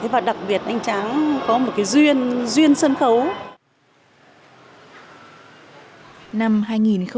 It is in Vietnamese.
và đặc biệt anh tráng có một cái duyên duyên sân khấu